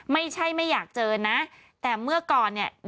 ไม่อยากเจอนะแต่เมื่อก่อนเนี่ย